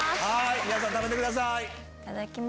皆さん食べてください。